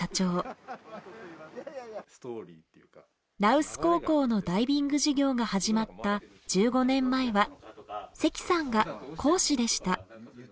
羅臼高校のダイビング授業が始まった１５年前は関さんが講師でした。